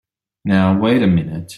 Now wait a minute!